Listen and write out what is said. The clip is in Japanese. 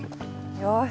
よし。